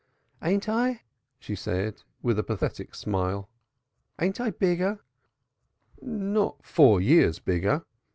"Ain't I?" she said, with a little pathetic smile. "Ain't I bigger?" "Not four years bigger.